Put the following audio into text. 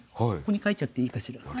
ここに書いちゃっていいかしら。